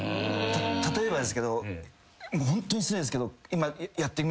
例えばですけどホントに失礼ですけど今。